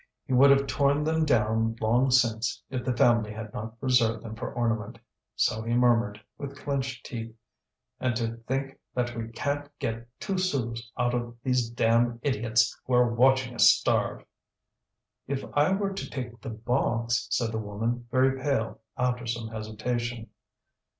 He would have torn them down long since if the family had not preserved them for ornament. So he murmured, with clenched teeth: "And to think that we can't get two sous out of these damned idiots, who are watching us starve!" "If I were to take the box?" said the woman, very pale, after some hesitation.